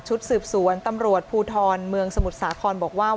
ชุดสืบสวนตำรวจภูทรเมืองสมุดศาคอนบอกว่า